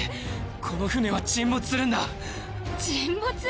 この船は沈没するんだ沈没！？